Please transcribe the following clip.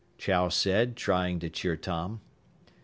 Chow said, trying to cheer Tom.